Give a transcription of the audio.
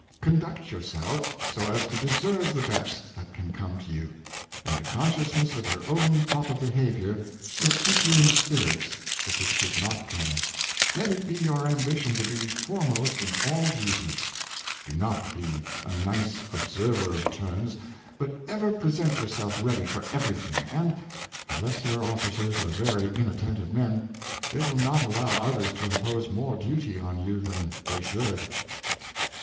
Conduct yourself so as to deserve the best that can come to you, and the consciousness of your own proper behavior will keep you in spirits if it should not come. Let it be your ambition to be fore most in all duty. Do not be a nice observer of turns, but ever present yourself ready for everything, and, unless your officers are very inattentive men, they will not allow others to impose more duty on you than they should."